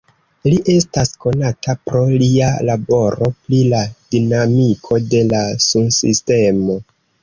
Li estas konata pro lia laboro pri la dinamiko de la sunsistemo.